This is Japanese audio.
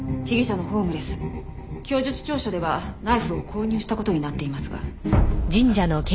被疑者のホームレス供述調書ではナイフを購入した事になっていますが。